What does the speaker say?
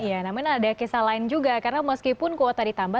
iya namun ada kisah lain juga karena meskipun kuota ditambah